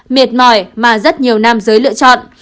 miệt mỏi mà rất nhiều nam giới lựa chọn